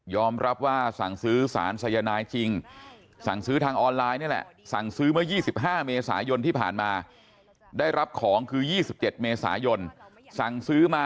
ยอมรับว่าสั่งซื้อสารสะยานายจริง